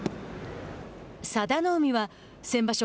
佐田の海は先場所